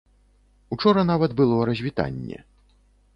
Учора нават было развітанне.